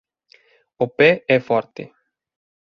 O pé é forte.